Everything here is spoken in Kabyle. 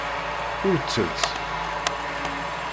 Ur ttett.